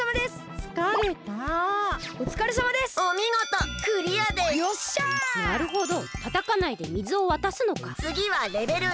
つぎはレベル２。